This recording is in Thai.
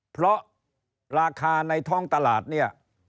เพราะราคาในท้องตลาดเนี่ย